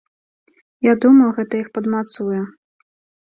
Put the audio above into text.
Я думаю, гэта іх падмацуе.